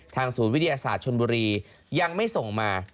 ศูนย์วิทยาศาสตร์ชนบุรียังไม่ส่งมา